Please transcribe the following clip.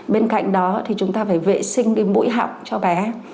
bên cạnh đó thì chúng ta phải vệ sinh cái mũi họng cho bé